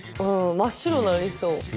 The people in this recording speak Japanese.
真っ白になりそう。